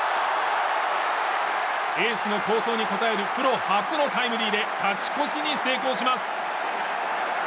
エースの好投に応えるプロ初のタイムリーで勝ち越しに成功します。